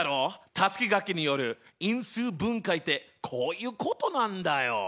たすきがけによる因数分解ってこういうことなんだよ。